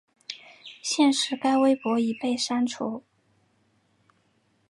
现时该微博已被删除。